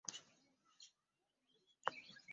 Se ni faros nenion, tio estos garantio al bankroto.